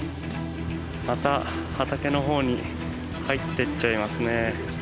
また、畑のほうに入っていっちゃいますね。